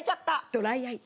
ドライアイ。